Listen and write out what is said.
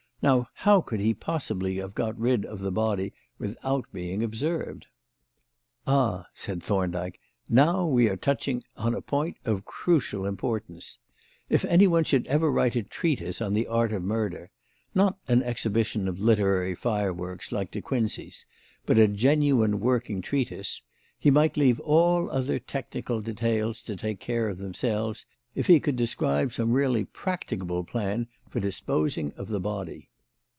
Now how could he possibly have got rid of the body without being observed?" "Ah!" said Thorndyke, "now we are touching on a point of crucial importance. If anyone should ever write a treatise on the art of murder not an exhibition of literary fireworks like De Quincey's, but a genuine working treatise he might leave all other technical details to take care of themselves if he could describe some really practicable plan for disposing of the body.